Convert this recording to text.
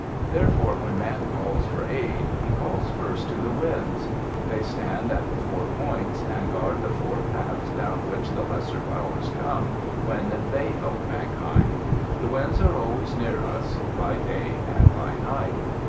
Therefore, when man calls for aid, he calls first to the Winds. They stand at the four points, and guard the four paths down which the lesser powers come when they help mankind. The Winds are always near us, by day and by night.